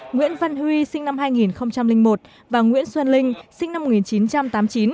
nguyễn văn huy sinh năm hai nghìn một và nguyễn xuân linh sinh năm một nghìn chín trăm tám mươi chín